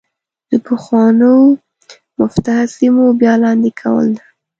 د پخوانو مفتوحه سیمو بیا لاندې کول ده.